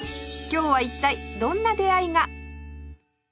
今日は一体どんな出会いが？